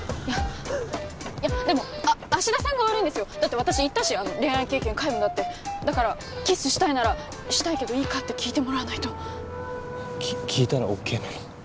いやいやでも芦田さんが悪いんですよだって私言ったし恋愛経験皆無だってだからキスしたいならしたいけどいいかって聞いてもらわないと聞いたらＯＫなの？